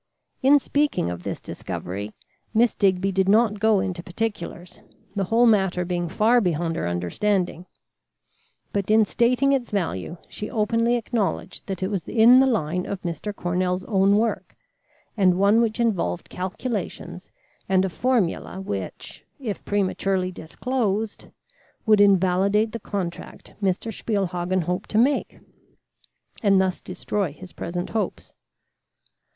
In speaking of this discovery, Miss Digby did not go into particulars, the whole matter being far beyond her understanding; but in stating its value she openly acknowledged that it was in the line of Mr. Cornell's own work, and one which involved calculations and a formula which, if prematurely disclosed, would invalidate the contract Mr. Spielhagen hoped to make, and thus destroy his present hopes.